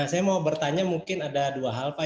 saya mau bertanya mungkin ada dua hal pak